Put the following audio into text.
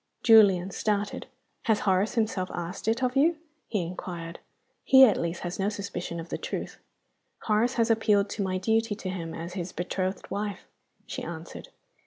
Julian started. "Has Horace himself asked it of you?" he inquired. "He, at least, has no suspicion of the truth." "Horace has appealed to my duty to him as his betrothed wife," she answered.